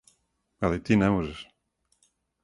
Али ти не можеш.